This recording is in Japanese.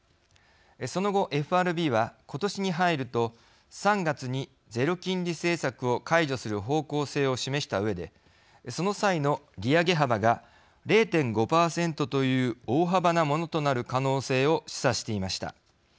その後、ＦＲＢはことしに入ると３月にゼロ金利政策を解除する方向性を示したうえでその際の利上げ幅が０．５％という大幅なものとなる可能性を示唆していました。